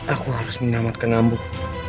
aku harus menamatkan ambuk